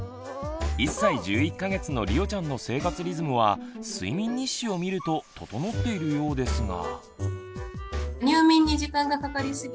１歳１１か月のりおちゃんの生活リズムは睡眠日誌を見ると整っているようですが。